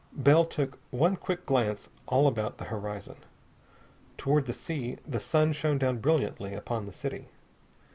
Bell took one quick glance all about the horizon. Toward the sea the sun shone down brilliantly upon the city.